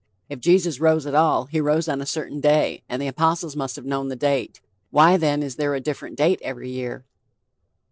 If Jesus rose at all, he rose on a certain day, and the apostles must have known the date. Why then is there a different date every year?